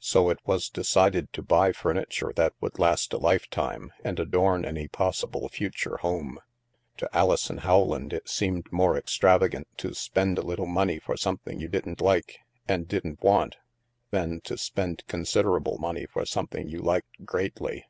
So it was decided to buy furniture that would last a lifetime and adorn any possible future home. To Alison Rowland it seemed more extravagant to spend a little money for something you didn't like and didn't want, than to spend considerable money for some thing you liked greatly.